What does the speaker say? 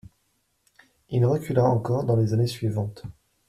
Il recula encore dans les années suivantes.